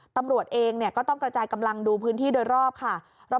ตำรวจเองก็ต้องกระจายกำลังดูพื้นที่โดยรอบค่ะ